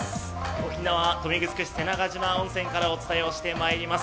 沖縄・豊見城市瀬長島温泉からお伝えしております。